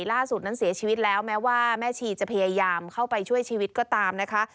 ล่าสุดนั้นเสียชีวิตแล้วแม้ว่าแม่ชีจะพยายามเข้าไปช่วยชีวิตก็ตามนะคะ